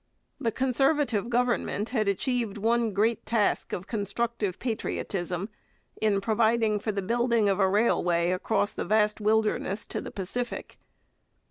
The Conservative Government had achieved one great task of constructive patriotism, in providing for the building of a railway across the vast wilderness to the Pacific.